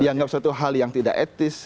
dianggap suatu hal yang tidak etis